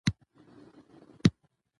د افغانستان قومونه تاریخي ارزښت لري.